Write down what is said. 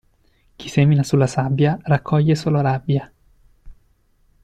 Chi semina sulla sabbia raccoglie solo rabbia.